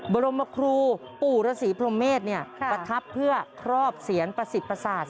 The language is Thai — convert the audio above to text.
บรมครูปู่ระศรีพรหมเมธเนี่ยประทับเพื่อครอบเสียนปศิปศาสตร์